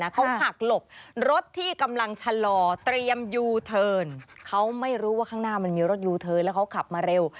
เขาหักหลบรถที่กำลังชะลอเตรียมยูเทิร์นเขาไม่รู้ว่าข้างหน้ามันมีรถยูเทิร์นแล้วเขาขับมาเร็ว